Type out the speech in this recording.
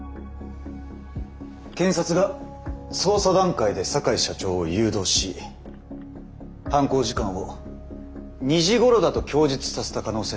検察が捜査段階で坂井社長を誘導し犯行時間を２時ごろだと供述させた可能性があります。